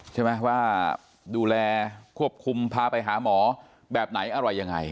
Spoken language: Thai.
ใช่ไหมว่าดูแลควบคุมพาไปหาหมอแบบไหนอะไรยังไง